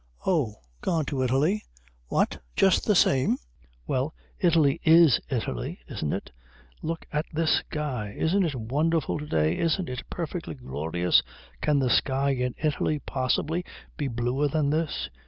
"Oh, gone to Italy." "What, just the same?" "Well, Italy is Italy, isn't it? Look at this sky. Isn't it wonderful to day, isn't it perfectly glorious? Can the sky in Italy possibly be bluer than this?"